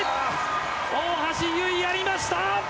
大橋悠依、やりました。